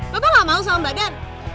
bapak gak mau sama mbak dan